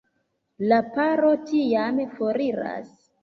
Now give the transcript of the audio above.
La paro tiam foriras.